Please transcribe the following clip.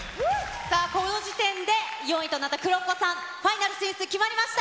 さあ、この時点で４位となったＫＵＲＯＫＯさん、ファイナル進出、決まりました。